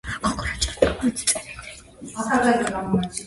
მე მიყვარს ჩემი ძაღლი ბუბუ.